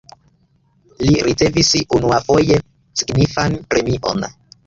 Li ricevis unuafoje signifan premion.